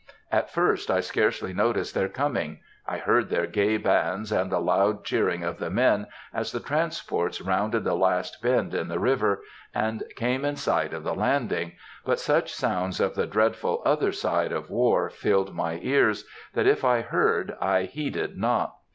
At first, I scarcely noticed their coming. I heard their gay bands, and the loud cheering of the men as the transports rounded the last bend in the river, and came in sight of the landing, but such sounds of the dreadful other side of war filled my ears, that, if I heard, I heeded not.